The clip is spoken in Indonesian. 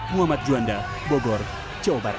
muhammad juanda bogor jawa barat